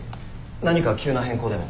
何か急な変更でも？